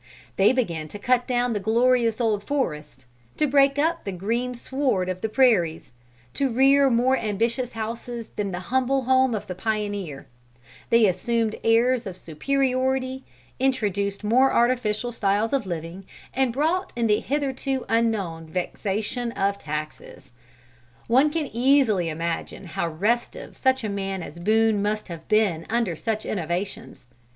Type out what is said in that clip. They began to cut down the glorious old forest, to break up the green sward of the prairies, to rear more ambitious houses than the humble home of the pioneer; they assumed airs of superiority, introduced more artificial styles of living, and brought in the hitherto unknown vexation of taxes. One can easily imagine how restive such a man as Boone must have been under such innovations.